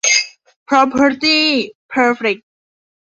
พร็อพเพอร์ตี้ เพอร์เฟค